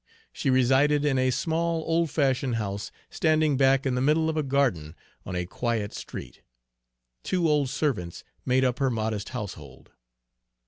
She resided in a small, old fashioned house, standing back in the middle of a garden on a quiet street. Two old servants made up her modest household.